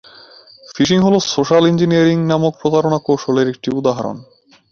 Fishing হলো social engineering নামক প্রতারণা কৌশলের একটি উদাহরণ।